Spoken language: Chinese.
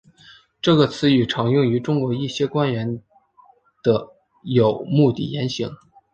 这个词语常用于中国一些官员的有目的言行。